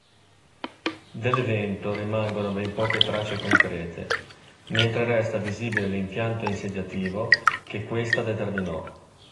Dell'evento rimangono ben poche tracce concrete mentre resta visibile l'impianto insediativo che questa determinò.